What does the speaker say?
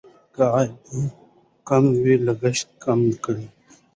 که عاید کم وي لګښت کم کړئ.